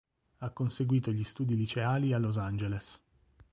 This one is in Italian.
Ha conseguito gli studi liceali a Los Angeles.